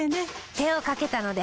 手をかけたので。